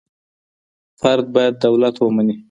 فرد بايد دولت ومني.